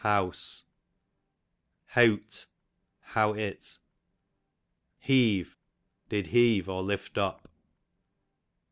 Heawse, house. Heawt, how it. Heeve, did heave, or lift up.